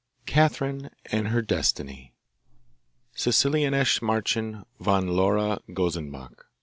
Catherine and Her Destiny Sicilianische Mahrchen von Laura Gonzenbach.